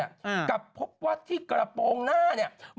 แต่กลับพบไว้ที่กระโปงหน้าดู